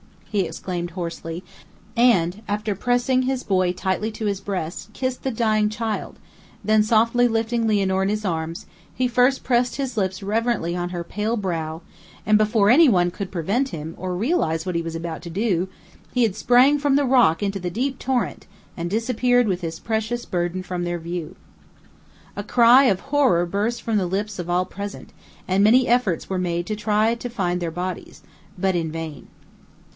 he exclaimed hoarsely; and, after pressing his boy tightly to his breast, kissed the dying child; then softly lifting Lianor in his arms, he first pressed his lips reverently on her pale brow, and, before any one could prevent him, or realize what he was about to do, he had sprang from the rock into the deep torrent, and disappeared with his precious burden from their view. A cry of horror burst from the lips of all present, and many efforts were made to find their bodies; but in vain.